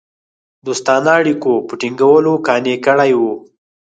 دوستانه اړېکو په ټینګولو قانع کړي وه.